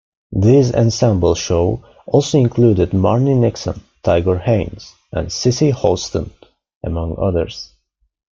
This ensemble show also included Marni Nixon, Tiger Haynes, and Cissy Houston among others.